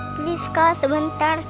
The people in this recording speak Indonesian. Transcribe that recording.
please kak sebentar